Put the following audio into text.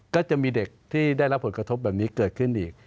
ก็จะมีเด็กที่ได้รับผลกระทบแบบนี้เกิดขึ้นอีก